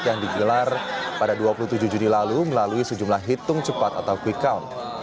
yang digelar pada dua puluh tujuh juni lalu melalui sejumlah hitung cepat atau quick count